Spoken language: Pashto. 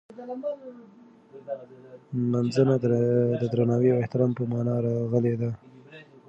نمځنه د درناوي او احترام په مانا راغلې ده.